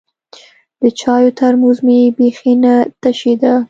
د چايو ترموز مې بيخي نه تشېده.